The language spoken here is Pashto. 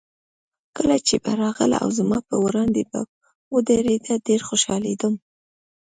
کله چې به راغله او زما په وړاندې به ودرېده، ډېر خوشحالېدم.